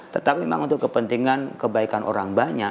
tetapi memang untuk kepentingan kebaikan orang banyak